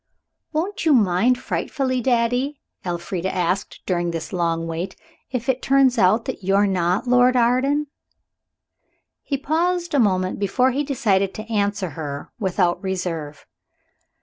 "Won't you mind frightfully, daddy," Elfrida asked during this long waiting, "if it turns out that you're not Lord Arden?" He paused a moment before he decided to answer her without reserve.